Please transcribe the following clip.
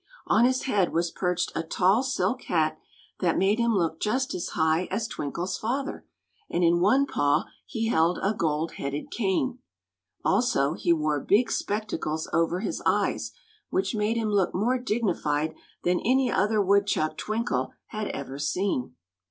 On his head was perched a tall silk hat that made him look just as high as Twinkle's father, and in one paw he held a gold headed cane. Also he wore big spectacles over his eyes, which made him look more dignified than any other woodchuck Twinkle had ever seen.